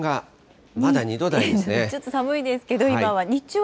ちょっと寒いですけど、今は。